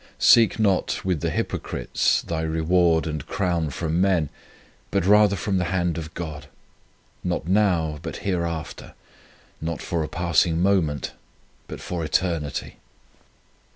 Seek not with the hypocrites thy reward and crown from men, but rather from the hand of God, not now, but hereafter ; not for a passing moment, but for eternity.